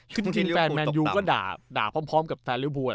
บางทีฟันแมนยูก็ด่าด่าพร้อมกับแฟนริ้วภู